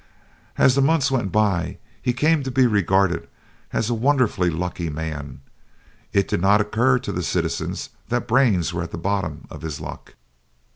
As the months went by he came to be regarded as a wonderfully lucky man. It did not occur to the citizens that brains were at the bottom of his luck.